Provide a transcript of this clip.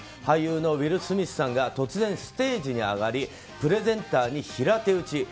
俳優のウィル・スミスさんが突然ステージに上がりプレゼンターに平手打ち。